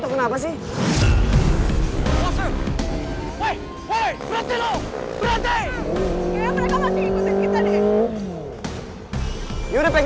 di sana pak tinggal lurus aja